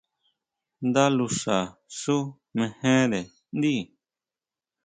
Ndá luxa xú mejere ndíi.